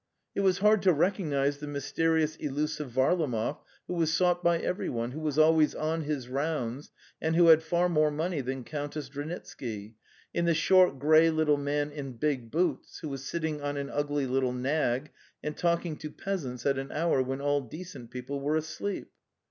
it was hard to recognize the mysterious elusive Varlamov, who was sought by everyone, who was always "'on his rounds,' and who had far more money than Countess Dranitsky, in the short, grey little man in big boots, who was sitting on an ugly little nag and talking to peasants at an hour when all decent people were asleep.